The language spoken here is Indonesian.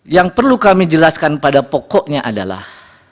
yang perlu kami jelaskan pada pokoknya adalah